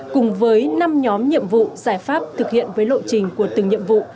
cùng với năm nhóm nhiệm vụ giải pháp thực hiện với lộ trình của từng nhiệm vụ trong năm hai nghìn hai mươi hai